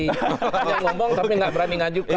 dia ngomong tapi enggak berani ngajukan